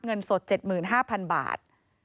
เงินสด๗๕๐๐๐บาท